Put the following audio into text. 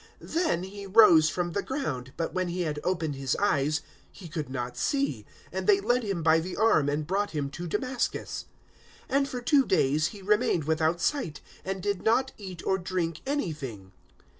009:008 Then he rose from the ground, but when he had opened his eyes, he could not see, and they led him by the arm and brought him to Damascus. 009:009 And for two days he remained without sight, and did not eat or drink anything.